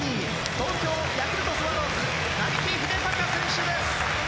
東京ヤクルトスワローズ並木秀尊選手です。